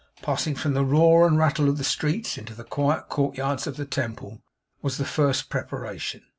Passing from the roar and rattle of the streets into the quiet court yards of the Temple, was the first preparation.